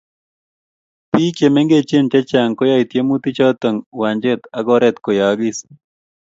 biik chemengech chechang koyae tyemutik choto uwanjet ak oret koyaagis